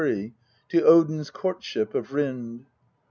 to Odin's courtship of Rind.